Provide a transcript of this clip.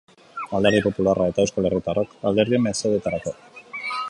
Alderdi Popularra eta Euskal Herritarrok alderdien mesederako.